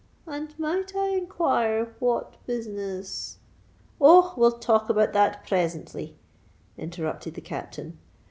"And might I inquire what business——" "Oh! we'll talk about that presently," interrupted the Captain.